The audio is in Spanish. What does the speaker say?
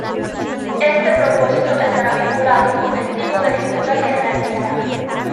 Este propósito estará vinculado con el tipo de lectura que realizará.